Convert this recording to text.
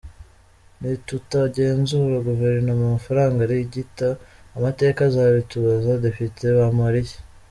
Nitutagenzura guverinoma amafaranga arigita …amateka azabitubaza” Depite Bamporiki.